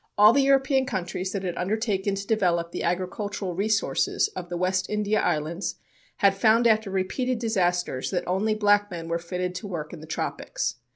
All the European countries that had undertaken to develop the agricultural resources of the West India Islands had found after repeated disasters that only black men were fitted to work in the tropics.